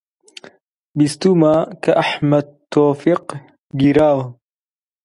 بیستمەوە کە ئەحمەد تەوفیق گیراوە